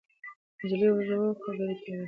نجلۍ ورو خبرې کوي.